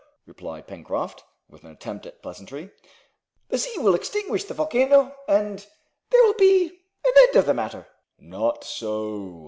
replied Pencroft, with an attempt at pleasantry. "The sea will extinguish the volcano, and there will be an end of the matter!" "Not so!"